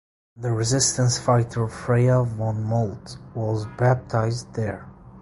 The Resistance fighter Freya von Moltke was baptised there.